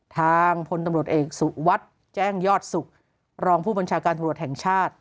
ทางพลตำรวจเอกสุวัสดิ์แจ้งยอดสุขรองผู้บัญชาการตำรวจแห่งชาติ